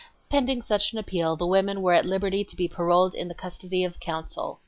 Pending such an appeal the women were at liberty to be paroled in the custody of counsel.